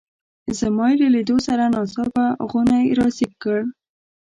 زما یې له لیدو سره ناڅاپه غونی را زېږ کړ.